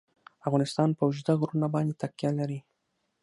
افغانستان په اوږده غرونه باندې تکیه لري.